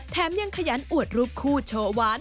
แถมยังขยันอวดรูปคู่โชว์หวาน